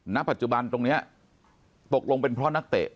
ณปัจจุบันตรงนี้ตกลงเป็นเพราะนักเตะ